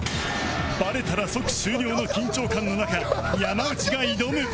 バレたら即終了の緊張感の中山内が挑む！